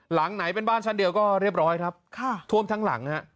หลังไหนเป็นบ้านชั้นเดียวก็เรียบร้อยครับท่วมทั้งหลังฮะ